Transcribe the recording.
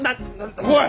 おい！